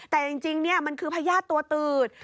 แต่จริงมันคือพญาติตัวตืด